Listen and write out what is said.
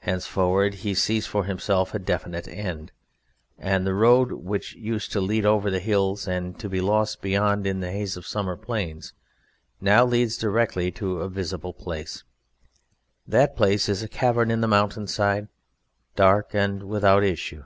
Henceforward he sees for himself a definite end, and the road which used to lead over the hills and to be lost beyond in the haze of summer plains now leads directly to a visible place; that place is a cavern in the mountain side, dark and without issue.